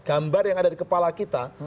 gambar yang ada di kepala kita